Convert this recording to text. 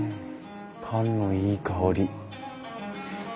パンのいい香り。